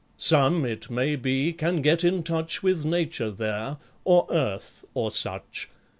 Some, it may be, can get in touch With Nature there, or Earth, or such.